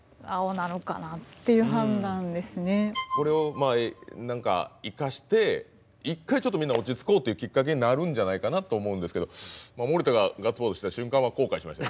これを何か生かして一回ちょっとみんな落ち着こうっていうきっかけになるんじゃないかなと思うんですけど森田がガッツポーズした瞬間は後悔しました。